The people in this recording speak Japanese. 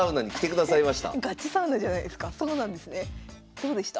どうでした？